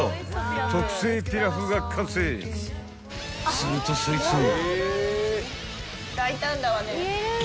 ［するとそいつを］